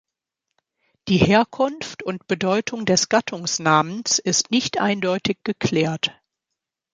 Die Herkunft und Bedeutung des Gattungsnamens ist nicht eindeutig geklärt.